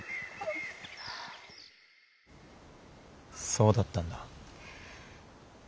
そうだったんだ。